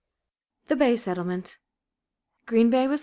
THE BAY SETTLEMENT. GREEN BAY, WIS.